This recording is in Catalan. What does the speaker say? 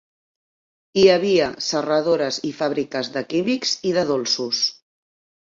Hi havia serradores i fàbriques de químics i de dolços.